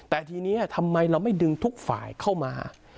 แต่ทีนี้ทำไมเราไม่ดึงทุกฝ่ายเข้ามา